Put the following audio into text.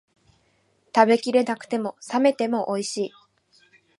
食べきれなくても、冷めてもおいしい